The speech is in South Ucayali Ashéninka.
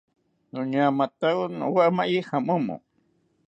Noñamatawo nowamaye jamomo